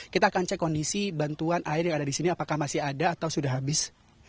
kita akan cek kondisi bantuan air yang ada di sini apakah masih ada atau sudah habis